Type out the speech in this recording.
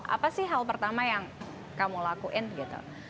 apa sih hal pertama yang kamu lakuin gitu